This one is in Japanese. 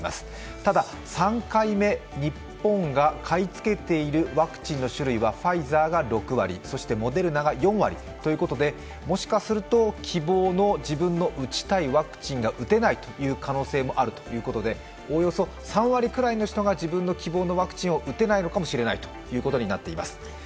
ただ、３回目、日本が買い付けているワクチンの種類は、ファイザーが６割モデルナが４割ということでもしかすると希望の自分の打ちたいワクチンが打てないという可能性もあるということでおおよそ３割の人が自分の希望のワクチンを打たないかもしれないということになっています。